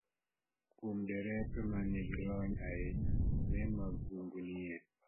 Kuom derepe ma nigi lony ahinya, le mag bungu nie